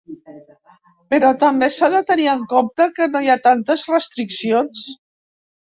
Però també s’ha de tenir en compte que no hi ha tantes restriccions.